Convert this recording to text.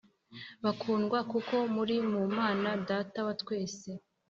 bakundwa kuko muri mu mana data wa twese